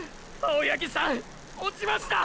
青八木さん落ちました！！